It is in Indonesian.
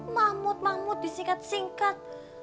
mahmud mahmud disingkat singkat